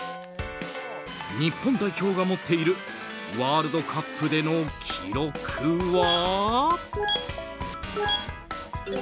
日本代表が持っているワールドカップでの記録は。